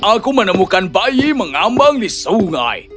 aku menemukan bayi mengambang di sungai